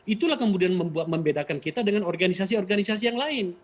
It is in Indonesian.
itulah kemudian membuat membedakan kita dengan organisasi organisasi yang lain